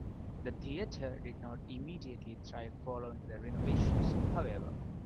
The Theatre did not immediately thrive following the renovations, however.